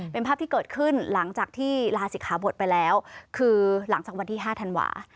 เป็นภาพที่เกิดขึ้นหลังจากที่ลาศิกขาบทไปแล้วคือหลังจากวันที่๕ธันวา